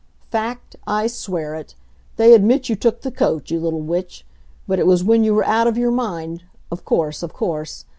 Fact; I swear it! They admit you took the coat, you little witch, but it was when you were out of your mind of course of course!